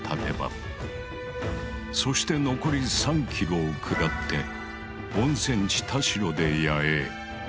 そして残り３ｋｍを下って温泉地・田代で野営。